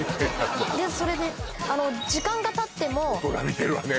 もうでそれであの時間がたっても大人見てるわね